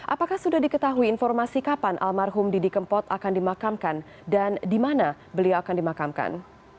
apakah sudah diketahui informasi kapan almarhum didi kempot akan dimakamkan dan di mana beliau akan dimakamkan